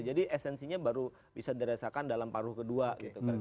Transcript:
jadi esensinya baru bisa dirasakan dalam paruh kedua gitu